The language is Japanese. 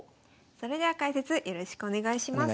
それでは解説よろしくお願いします。